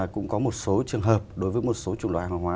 cũng có một số trường hợp đối với một số chủ loại hàng hóa